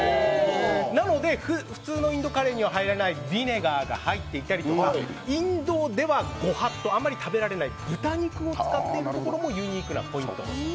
なので普通のインドカレーには入らないビネガーが入っていたりとかインドではご法度あまり食べられない豚肉を使っているところもユニークなポイントです。